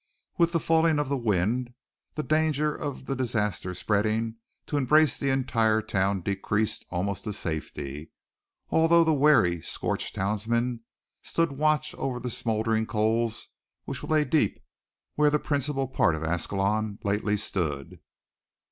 With the falling of the wind the danger of the disaster spreading to embrace the entire town decreased almost to safety, although the wary, scorched townsmen stood watch over the smoldering coals which lay deep where the principal part of Ascalon lately stood.